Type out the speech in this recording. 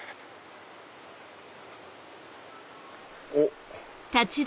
おっ！